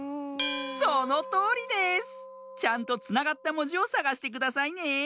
そのとおりです！ちゃんとつながったもじをさがしてくださいね。